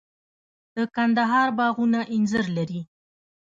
د کندهار باغونه انځر لري.